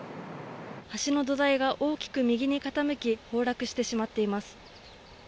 橋の土台が大きく右に傾き、崩落してしまっています。